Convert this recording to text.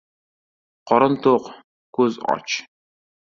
• Qorin to‘q, ko‘z och.